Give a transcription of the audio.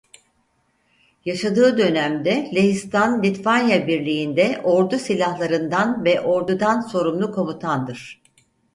Yaşadığı dönemde Lehistan-Litvanya Birliği'nde ordu silahlarından ve ordudan sorumlu komutandır.